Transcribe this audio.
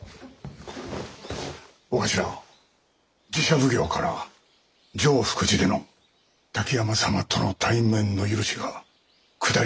長官寺社奉行から常福寺での滝山様との対面の許しが下りました。